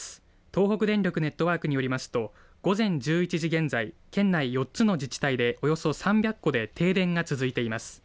東北電力ネットワークによりますと午前１１時現在、県内４つの自治体でおよそ３００戸で停電が続いています。